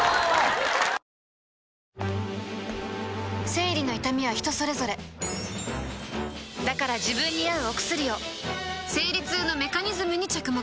生理の痛みは人それぞれだから自分に合うお薬を生理痛のメカニズムに着目